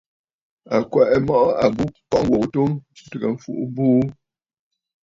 À kwɛ̀ʼɛ mɔʼɔ àbu tɨgə̀ ŋ̀kɔʼɔ ŋwò ghu atu ntɨgə mfuʼu buu.